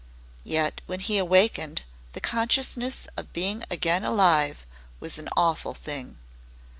Yet when he awakened the consciousness of being again alive was an awful thing.